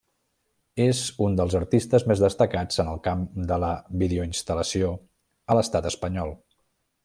És un dels artistes més destacats en el camp de la videoinstal·lació a l'Estat espanyol.